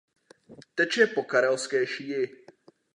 Teče po Karelské šíji.